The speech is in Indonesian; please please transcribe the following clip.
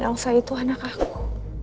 elsa itu anak aku